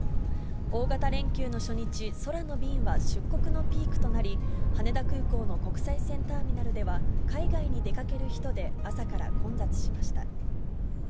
大型連休の初日、空の便は出国のピークとなり、羽田空港の国際線ターミナルでは、海外に出かける人で朝から混雑しました。